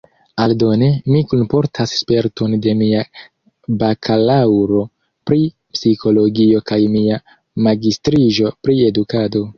Aldone, mi kunportas sperton de mia bakalaŭro pri psikologio kaj mia magistriĝo pri edukado.